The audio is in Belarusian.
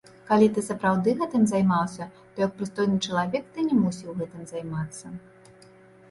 Калі ты сапраўды гэтым займаўся, то як прыстойны чалавек ты не мусіў гэтым займацца.